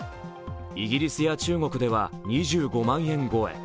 イギリスや中国では２５万円超え。